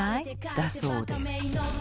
だそうです。